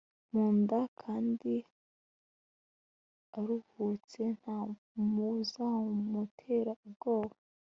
mu nda kandi aruhutse nta wuzamutera ubwoba